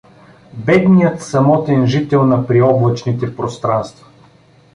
Бедният самотен жител на приоблачните пространства!